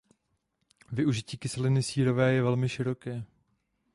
Využití kyseliny sírové je velmi široké.